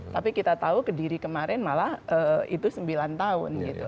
tapi kita tahu ke diri kemarin malah itu sembilan tahun